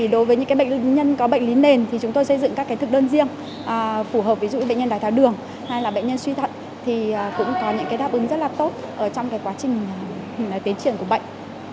đối với những bệnh nhân có bệnh lý nền thì chúng tôi xây dựng các thực đơn riêng phù hợp ví dụ bệnh nhân đái tháo đường hay là bệnh nhân suy thận thì cũng có những đáp ứng rất là tốt trong quá trình tiến triển của bệnh